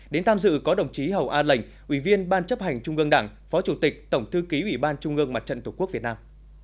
đến tham dự có đồng chí hầu a lệnh ủy viên ban chấp hành trung ương đảng phó chủ tịch tổng thư ký ủy ban trung ương mặt trận tổ quốc việt nam